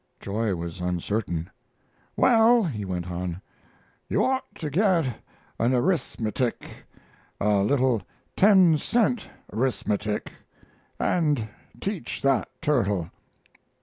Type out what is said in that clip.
Joy was uncertain. "Well," he went on, "you ought to get an arithmetic a little ten cent arithmetic and teach that turtle."